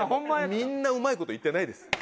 みんなうまい事いってないです。